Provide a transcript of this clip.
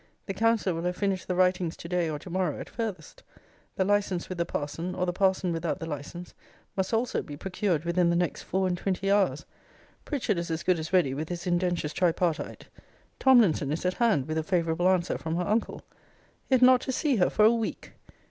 The counsellor will have finished the writings to day or to morrow, at furthest: the license with the parson, or the parson without the license, must also be procured within the next four and twenty hours; Pritchard is as good as ready with his indentures tripartite: Tomlinson is at hand with a favourable answer from her uncle yet not to see her for a week!